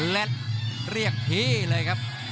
และเรียกพี่เลยครับ